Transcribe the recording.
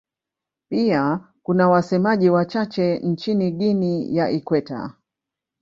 Pia kuna wasemaji wachache nchini Guinea ya Ikweta.